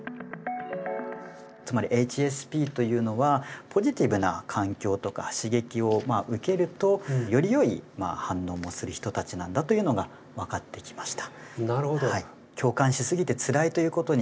つまりＨＳＰというのはポジティブな環境とか刺激を受けるとよりよい反応をする人たちなんだというのが分かってきました。